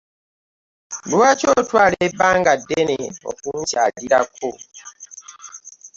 Lwaki otwala ebanga ddene okunkyalirako?